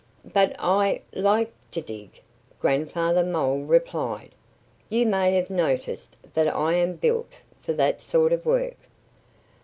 "But I like to dig," Grandfather Mole replied. "You may have noticed that I am built for that sort of work."